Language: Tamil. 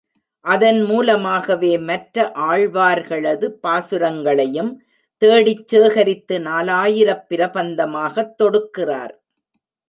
அதன் மூலமாகவே மற்ற ஆழ்வார்களது பாசுரங்களையும் தேடிச் சேகரித்து நாலாயிரப் பிரபந்தமாகத் தொடுக்கிறார்.